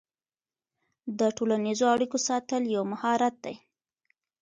د ټولنیزو اړیکو ساتل یو مهارت دی.